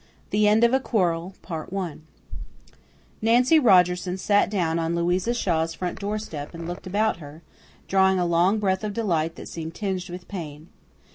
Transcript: The End of a Quarrel Nancy Rogerson sat down on Louisa Shaw's front doorstep and looked about her, drawing a long breath of delight that seemed tinged with pain.